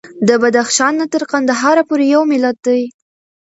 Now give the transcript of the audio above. د بدخشان نه تر قندهار پورې یو ملت دی.